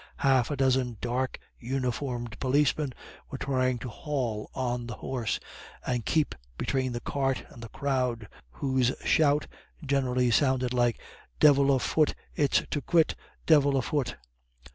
Half a dozen dark uniformed policemen were trying to haul on the horse, and keep between the cart and the crowd, whose shout generally sounded like: "Divil a fut its to quit divil a fut."